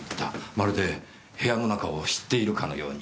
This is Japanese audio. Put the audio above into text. まるで部屋の中を知っているかのように。